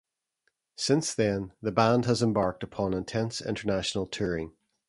Since then the band has embarked upon intense international touring.